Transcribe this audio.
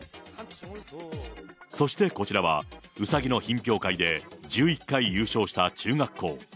そしてこちらは、うさぎの品評会で１１回優勝した中学校。